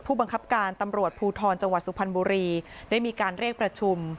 บังคับการตำรวจภูทรจังหวัดสุพรรณบุรีได้มีการเรียกประชุม